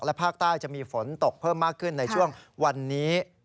ภาคใต้จะมีฝนตกเพิ่มมากขึ้นในช่วงวันนี้